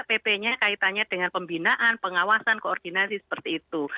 pp nya kaitannya dengan pembinaan pengawasan koordinasi seperti itu